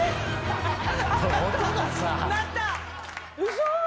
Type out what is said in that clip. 嘘⁉